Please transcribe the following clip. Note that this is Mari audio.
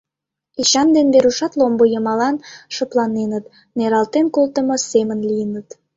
Эчан ден Верушат ломбо йымалан шыпланеныт, нералтен колтымо семын лийыныт.